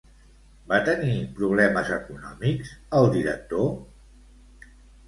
Va tenir problemes econòmics el director?